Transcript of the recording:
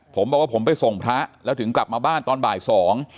ผมบอกว่าผมไปส่งพระแล้วถึงกลับมาบ้านตอนบ่ายสอง